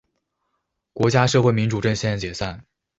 国家社会民主阵线解散。